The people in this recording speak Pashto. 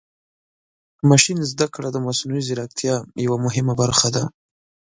ماشین زده کړه د مصنوعي ځیرکتیا یوه مهمه برخه ده.